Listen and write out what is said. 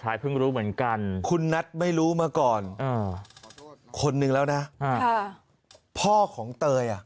เพิ่งรู้เหมือนกันคุณนัทไม่รู้มาก่อนคนนึงแล้วนะพ่อของเตยอ่ะ